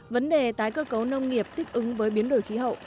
vấn đề tái cơ cấu nông nghiệp thích ứng với biến đổi khí hậu